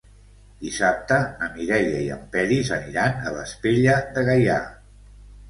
Dissabte na Mireia i en Peris aniran a Vespella de Gaià.